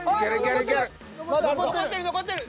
残ってる残ってる。